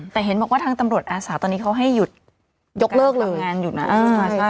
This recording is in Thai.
แต่เห็นบอกว่าทางตำรวจอาสาตอนนี้เขาให้หยุดยกเลิกเลยงานหยุดนะ